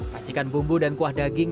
racikan bumbu dan kuah daging